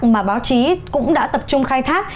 mà báo chí cũng đã tập trung khai thác